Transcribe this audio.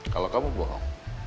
kalau kamu bohong